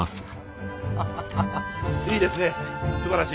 ハハハハいいですねすばらしい。